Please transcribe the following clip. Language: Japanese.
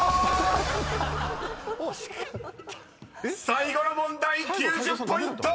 ［最後の問題９０ポイント］